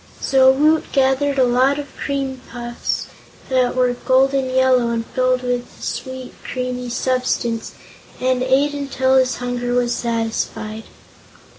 So Woot gathered a lot of the cream puffs that were golden yellow and filled with a sweet, creamy substance, and ate until his hunger was satisfied.